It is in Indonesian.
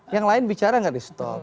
yang lain bicara nggak di stop